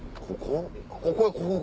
ここ？